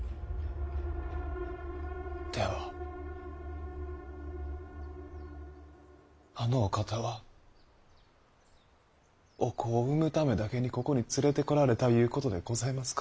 ではあのお方はお子を産むためだけにここに連れてこられたいうことでございますか？